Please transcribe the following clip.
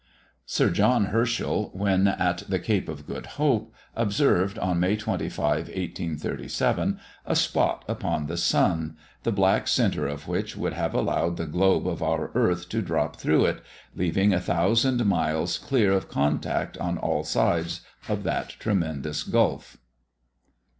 Sir John Herschel, when at the Cape of Good Hope, observed, on May 25, 1837, a spot upon the sun, the black centre of which would have allowed the globe of our earth to drop through it, leaving a thousand miles clear of contact on all sides of that tremendous gulf.